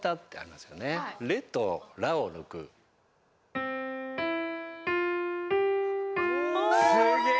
すげえ！